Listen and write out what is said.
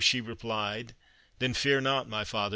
she replied; "then fear not, my father!